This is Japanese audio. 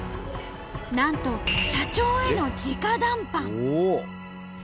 なんと社長への直談判。